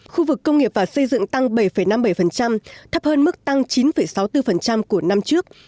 khu vực công nghiệp và xây dựng tăng bảy năm mươi bảy thấp hơn mức tăng chín sáu mươi bốn của năm trước